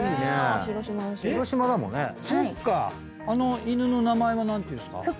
あの犬の名前は何ていうんすか？